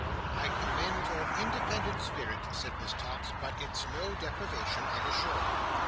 "I commend your independent spirit," said Miss Tox, "but it's no deprivation, I assure you.